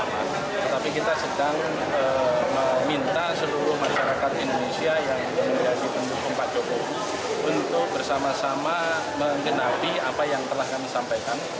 tetapi kita sedang meminta seluruh masyarakat indonesia yang menjadi pendukung pak jokowi untuk bersama sama menggenapi apa yang telah kami sampaikan